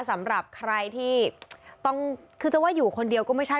สำหรับใครที่ต้องคือจะว่าอยู่คนเดียวก็ไม่ใช่